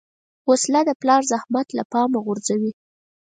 وسله د پلار زحمت له پامه غورځوي